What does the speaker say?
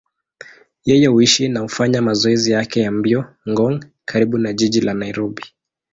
Yeye huishi na hufanya mazoezi yake ya mbio Ngong, karibu na jiji la Nairobi.